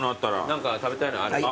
何か食べたいのある？